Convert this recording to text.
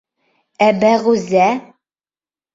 — Ә, Бәғүзә...